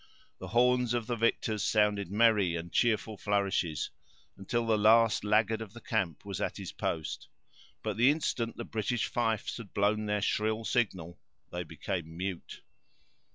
The horns of the victors sounded merry and cheerful flourishes, until the last laggard of the camp was at his post; but the instant the British fifes had blown their shrill signal, they became mute.